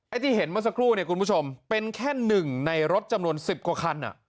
ที่เห็นเมื่อสักครู่เนี่ยคุณผู้ชมเป็นแค่หนึ่งในรถจำนวน๑๐กว่าคัน